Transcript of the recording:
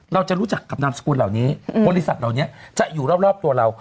เราจะรู้จักกับนามสกุลเหล่านี้บริษัทเหล่านี้จะอยู่รอบตัวเรา